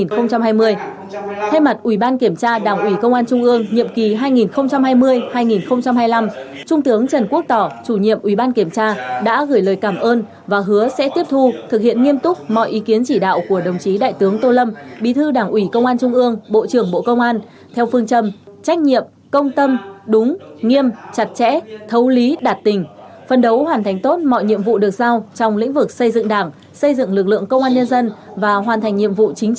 thay mặt ủy ban kiểm tra đảng ủy công an trung ương nhiệm kỳ hai nghìn hai mươi hai nghìn hai mươi năm trung tướng trần quốc tỏ chủ nhiệm ủy ban kiểm tra đã gửi lời cảm ơn và hứa sẽ tiếp thu thực hiện nghiêm túc mọi ý kiến chỉ đạo của đồng chí đại tướng tô lâm bí thư đảng ủy công an trung ương bộ trưởng bộ công an theo phương châm trách nhiệm công tâm đúng nghiêm chặt chẽ thấu lý đạt tình phân đấu hoàn thành tốt mọi nhiệm vụ được giao trong lĩnh vực xây dựng đảng xây dựng lực lượng công an nhân dân và hoàn thành nhiệm vụ chính